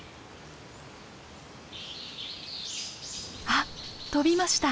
あっ飛びました。